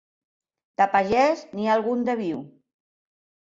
De pagès, n'hi ha algun de viu.